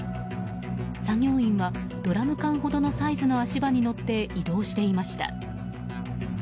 作業員はドラム缶ほどのサイズの足場に乗って移動していました。